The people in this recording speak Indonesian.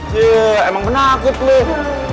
yee emang pernah akut lu